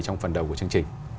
trong phần đầu của chương trình